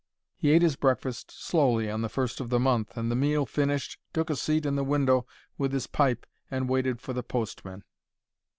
He ate his breakfast slowly on the first of the month, and, the meal finished, took a seat in the window with his pipe and waited for the postman.